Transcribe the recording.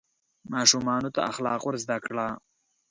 ماشومانو ته اخلاق ور زده کړه.